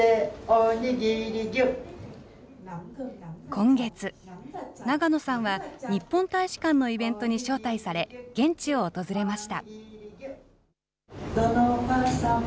今月、長野さんは日本大使館のイベントに招待され、現地を訪れました。